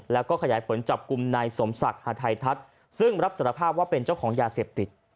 แล้วก็ขยายผลจับกลุ่มนายสมศักดิ์ฮาไททัศน์ซึ่งรับสารภาพว่าเป็นเจ้าของยาเสพติด